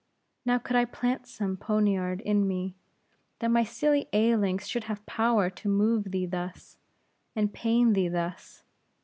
Now, could I plant some poniard in me, that my silly ailings should have power to move thee thus, and pain thee thus.